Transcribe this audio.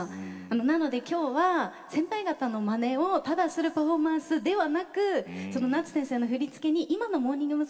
なので今日は先輩方のまねをただするパフォーマンスではなく夏先生の振り付けに今のモーニング娘。